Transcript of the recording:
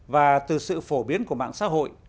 và từ sự phổ biến của mạng xã hội